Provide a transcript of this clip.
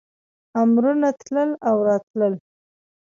امرونه تلل او راتلل.